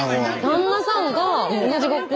旦那さんが同じ学校。